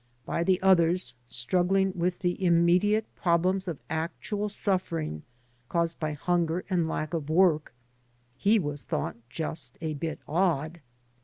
By the others, struggling with the immediate prob lems'of actual suffering caused by hunger and lack of work, he was thought just a bit odd.